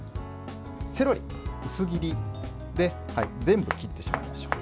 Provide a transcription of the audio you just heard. セロリ、薄切りで全部切ってしまいましょう。